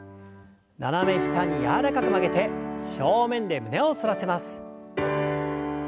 斜め下に柔らかく曲げて正面で胸を反らせます。